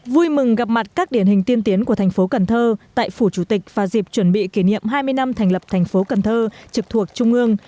vui mừng gặp mặt các điển hình tiên tiến của thành phố cần thơ tại phủ chủ tịch và dịp chuẩn bị kỷ niệm hai mươi năm thành lập thành phố cần thơ trực thuộc trung ương